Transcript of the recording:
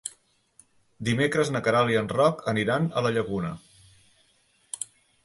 Dimecres na Queralt i en Roc aniran a la Llacuna.